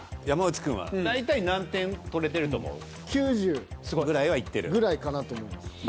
山内くんは大体何点取れてると思う？ぐらいはいってる？ぐらいかなと思います。